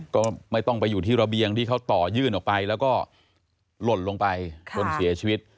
ก็ไม่ต้องไปอยู่ที่ระเบียงที่เขาต่อยื่นออกไปแล้วก็หล่นลงไปจนเสียชีวิต